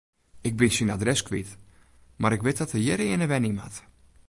Ik bin syn adres kwyt, mar ik wit dat er hjirearne wenje moat.